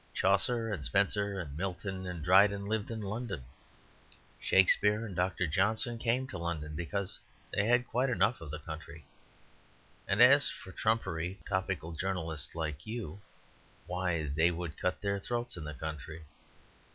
Chaucer and Spenser and Milton and Dryden lived in London; Shakespeare and Dr. Johnson came to London because they had had quite enough of the country. And as for trumpery topical journalists like you, why, they would cut their throats in the country.